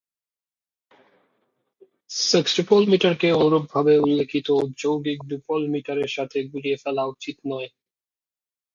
Sextuple মিটারকে অনুরূপভাবে উল্লিখিত যৌগিক ডুপল মিটারের সাথে গুলিয়ে ফেলা উচিত নয়।